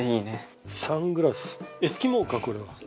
サングラスエスキモーかこれは。